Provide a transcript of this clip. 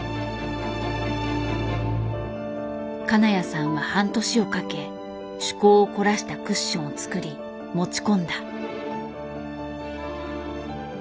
金谷さんは半年をかけ趣向を凝らしたクッションを作り持ち込んだ。